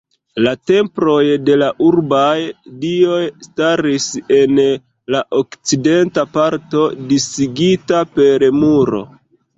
La temploj de la urbaj dioj staris en la okcidenta parto, disigita per muro.